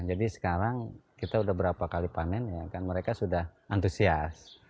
jadi sekarang kita sudah berapa kali panen ya kan mereka sudah antusias